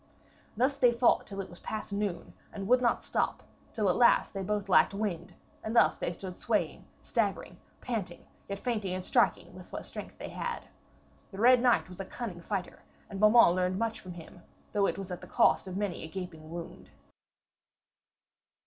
Thus they fought till it was past noon, and would not stop, till at last they both lacked wind, and thus they stood swaying, staggering, panting, yet feinting and striking with what strength they had. The Red Knight was a cunning fighter, and Beaumains learned much from him, though it was at the cost of many a gaping wound.